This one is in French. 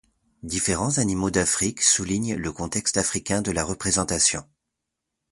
Différents animaux d'Afrique soulignent le contexte africain de la représentation.